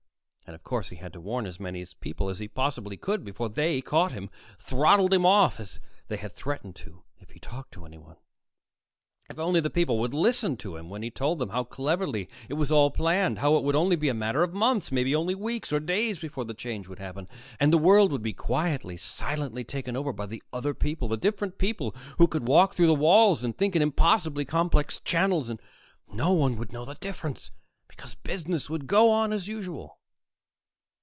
And of course he had to warn as many people as he possibly could before they caught him, throttled him off, as they had threatened to if he talked to anyone. If only the people would listen to him when he told them how cleverly it was all planned, how it would only be a matter of months, maybe only weeks or days before the change would happen, and the world would be quietly, silently taken over by the other people, the different people who could walk through walls and think in impossibly complex channels. And no one would know the difference, because business would go on as usual.